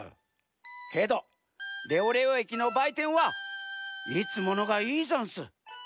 けどレオレオえきのばいてんはいつものがいいざんす。